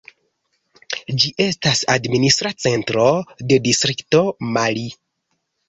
Ĝi estas administra centro de distrikto Mali.